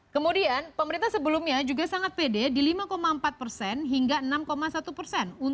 kemudian pemerintah sebelumnya juga sangat pede di lima empat persen hingga enam satu persen